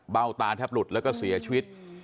ตาแทบหลุดแล้วก็เสียชีวิต